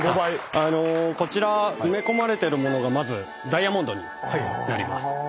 こちら埋め込まれてる物がまずダイヤモンドになります。